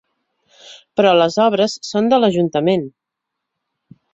Però les obres son de l'ajuntament!